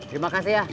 terima kasih ya